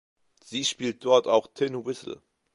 Sie spielt dort auch Tin Whistle.